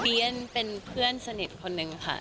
ี้ยนเป็นเพื่อนสนิทคนนึงค่ะ